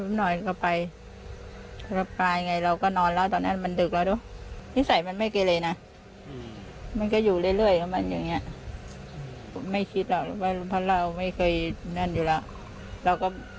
ไม่คิดหรอกว่าเพราะเราไม่เคยนั่นอยู่แล้ว